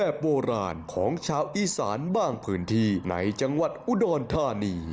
โบราณของชาวอีสานบ้างพื้นที่ในจังหวัดอุดรธานี